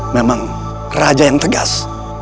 memang raja yang tegas